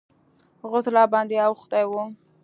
غسل راباندې اوښتى و.